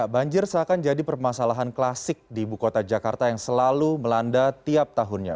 banjir seakan jadi permasalahan klasik di ibu kota jakarta yang selalu melanda tiap tahunnya